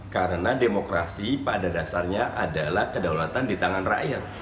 karena demokrasi pada dasarnya adalah kedaulatan di tangan rakyat